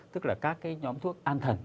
tức là các cái nhóm thuốc an thần